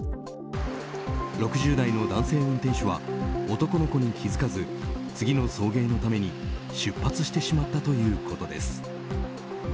６０代の男性運転手は男の子に気づかず次の送迎のために出発してしまったということです。